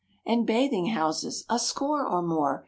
1 Pi And bathing houses, a score or more.